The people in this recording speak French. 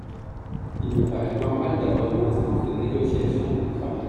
Il me paraît normal d’avoir une instance de négociation et de travail.